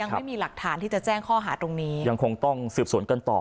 ไม่มีหลักฐานที่จะแจ้งข้อหาตรงนี้ยังคงต้องสืบสวนกันต่อ